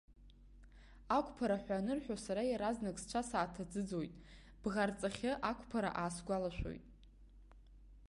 Ақәԥара ҳәа анырҳәо, сара иаразнак сцәа сааҭаӡыӡоит, бӷарҵахьы ақәԥара аасгәалашәоит.